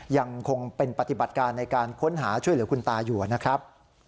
ยังคงเป็นปฏิบัติการในการค้นหาช่วยเหลือคุณตาอยู่นะครับ